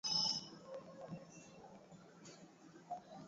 sehemu hizo ni muhimu sana kwenye katiba